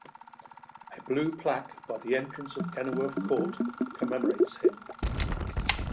A blue plaque by the entrance of Kenilworth Court commemorates him.